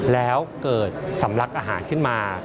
แล้วเกิดสำลักอาหารขึ้นมา